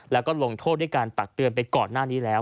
แล้วก็ลงโทษด้วยการตักเตือนไปก่อนหน้านี้แล้ว